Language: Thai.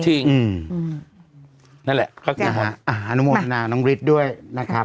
จริงนั่นแหละครับคุณพร้อมจะอนุโมทนาน้องฤทธิ์ด้วยนะครับ